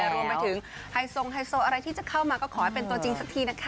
รวมไปถึงไฮโซงไฮโซอะไรที่จะเข้ามาก็ขอให้เป็นตัวจริงสักทีนะคะ